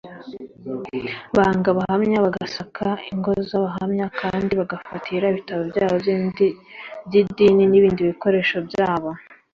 banga abahamya bagasaka ingo z abahamya kandi bagafatira ibitabo byabo by idini n ibindi bikoresho byabo